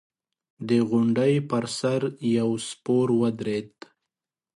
د غونډۍ پر سر يو سپور ودرېد.